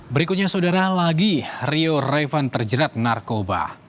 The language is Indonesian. berikutnya saudara lagi rio revan terjerat narkoba